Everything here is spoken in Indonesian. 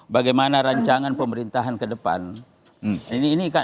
bagaimana rancangan pemerintahan ke depan